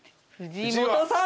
藤本さん！